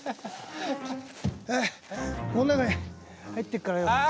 ああこの中に入ってるからよ。